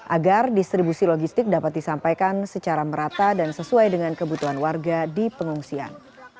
agar distribusi logistik dapat disampaikan secara merata dan sesuai dengan kebutuhan warga di pengungsian